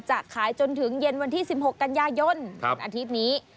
จะขายจนถึงเย็นวันที่๑๖กันยายนวันอาทิตย์นี้